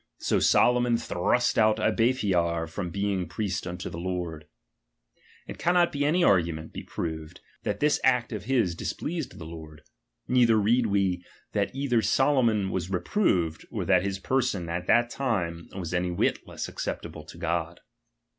So Solomon thrust out Abiathar from being priest unto the Lord ; it cannot by any argument be proved, ttat this act of his displeased the Lord ; neither read we, that either Solomon was reproved, or that his person at that time was any whit less acceptable to God.